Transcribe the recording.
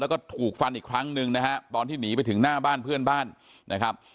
แล้วก็ถูกฟันอีกครั้งหนึ่งนะฮะตอนที่หนีไปถึงหน้าบ้านเพื่อนบ้านนะครับ